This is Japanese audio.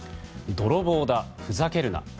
泥棒だ、ふざけるな。